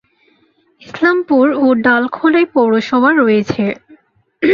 ইসলামপুর ও ডালখোলায় পৌরসভা রয়েছে।